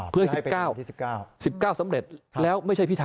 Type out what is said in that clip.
เพื่อให้๑๙๑๙สำเร็จแล้วไม่ใช่พิธา